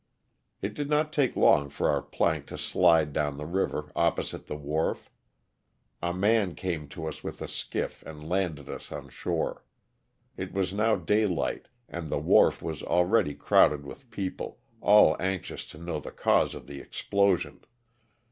It did not take long for our plank to slide down the river, opposite the wharf. A man came to us with a skill and landed us on shore. It was now daylight and tlie wharf w;\s already crowded with people, all anxious to know the cause of the explosion.